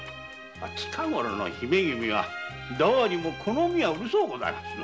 近ごろの姫君はどうにも好みがうるそうございますな。